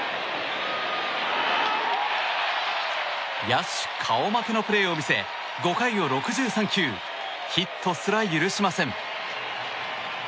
野手顔負けのプレーを見せ５回を６３球ヒットすら許しません。